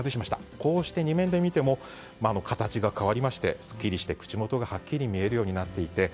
こうして２面で見ても形が変わりまして、すっきりして口元がはっきり見えるようになっていて。